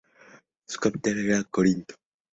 Su capital era Corinto.